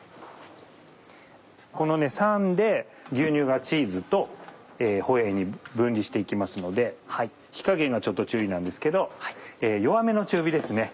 この酸で牛乳がチーズとホエーに分離して行きますので火加減がちょっと注意なんですけど弱めの中火ですね